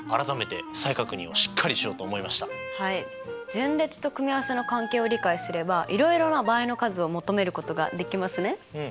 順列と組合せの関係を理解すればいろいろな場合の数を求めることができますね。